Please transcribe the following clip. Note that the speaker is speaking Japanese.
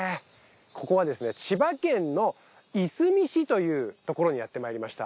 ここはですね千葉県のいすみ市というところにやってまいりました。